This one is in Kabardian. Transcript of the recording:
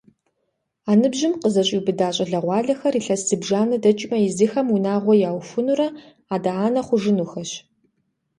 А ныбжьым къызэщӏиубыдэ щӏалэгъуалэхэр илъэс зыбжанэ дэкӏмэ езыхэм унагъуэ яухуэнурэ адэ-анэ хъужынухэщ.